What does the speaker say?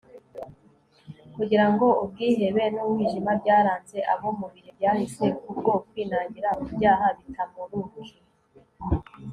kugira ngo ubwihebe n'umwijima byaranze abo mu bihe byahise kubwo kwinangira mu byaha bitamuruke